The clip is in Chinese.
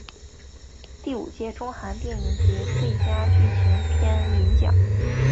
第五届中韩电影节最佳剧情片银奖。